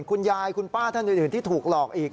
คุณยายคุณป้าท่านอื่นที่ถูกหลอกอีก